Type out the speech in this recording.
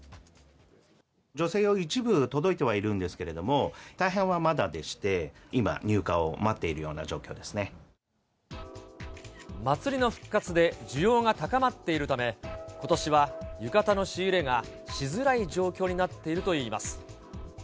女性用は一部届いてはいるんですけれども、大半はまだでして、今、入荷を待っているような状況祭りの復活で、需要が高まっているため、ことしは浴衣の仕入れがしづらい状況になっているといいます。